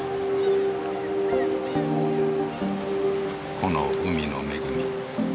この海の恵み。